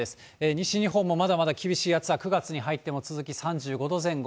西日本もまだまだ厳しい暑さ、９月に入っても続き、３５度前後。